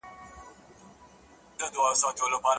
آیا په الاحزاب سورت کي د ښځو ذکر سوی؟